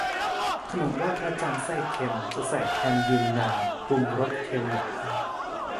ขนมไหว้พระจันทร์ไส้เค็ม จะใส่แฮมยูนนาน ปรุงรสเค็มหวาน